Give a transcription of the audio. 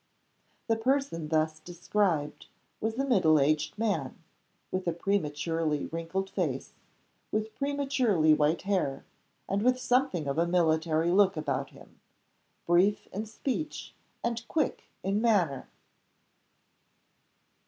The person thus described was a middle aged man, with a prematurely wrinkled face, with prematurely white hair and with something of a military look about him brief in speech, and quick in manner.